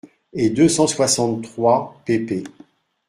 et deux cent soixante-trois pp.